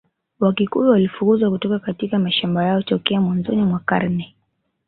Wakikuyu walifukuzwa kutoka katika mashamba yao tokea mwanzoni mwa karne